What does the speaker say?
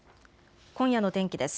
今夜の天気です。